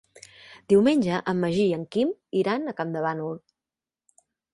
Diumenge en Magí i en Quim iran a Campdevànol.